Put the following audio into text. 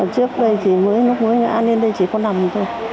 trước đây thì mới ngất mới ngã nên đây chỉ có nằm thôi